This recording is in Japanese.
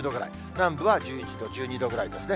南部は１１度、１２度ぐらいですね。